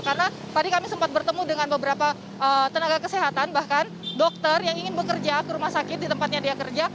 karena tadi kami sempat bertemu dengan beberapa tenaga kesehatan bahkan dokter yang ingin bekerja ke rumah sakit di tempatnya dia kerja